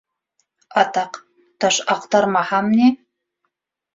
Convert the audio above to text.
Атаҡ, таш аҡтармаһам ни...